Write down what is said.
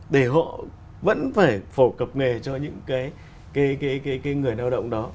để họ vẫn phải phổ cập nghề cho những cái người lao động đó